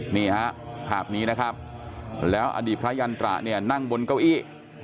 นี่ฮะภาพนี้นะครับแล้วอดีตพระยันตระเนี่ยนั่งบนเก้าอี้